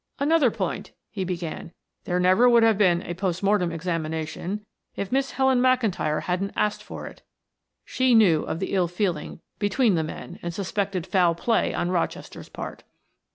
"Another point," he began. "There never would have been a post mortem examination if Miss Helen McIntyre hadn't asked for it. She knew of the ill feeling between the men and suspected foul play on Rochester's part."